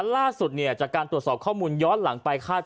ดังนั้นล่าสุดเนี่ยจากการตรวจสอบข้อมูลย้อนหลังไปคาด